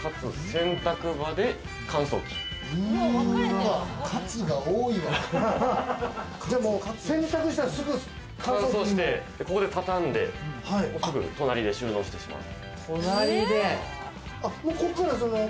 洗濯したらすぐ乾燥して、ここでたたんで、すぐ隣で収納してしまう。